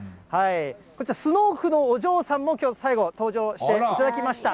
こちら、スノークのお嬢さんも、きょう、最後登場していただきました。